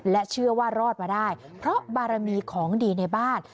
และเชื่อว่ารอดมาได้เพราะบารมีของดีในบ้าน